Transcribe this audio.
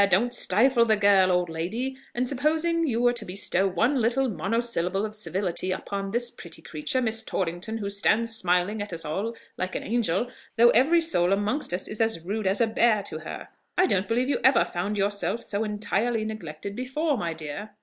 don't stifle the girl, old lady! And supposing you were to bestow one little monosyllable of civility upon this pretty creature, Miss Torrington, who stands smiling at us all like an angel, though every soul amongst us is as rude as a bear to her. I don't believe you ever found yourself so entirely neglected before, my dear?"